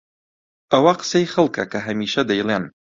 ئەوە قسەی خەڵکە کە هەمیشە دەیڵێن.